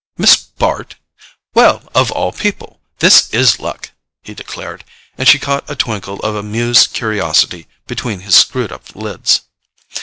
"Miss Bart? Well—of all people! This IS luck," he declared; and she caught a twinkle of amused curiosity between his screwed up lids.